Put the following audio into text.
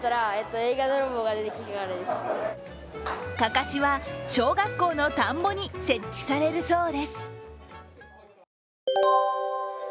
かかしは小学校の田んぼに設置されるそうです。